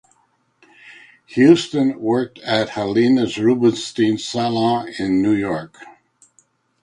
Huston worked at the Helena Rubinstein salon in New York.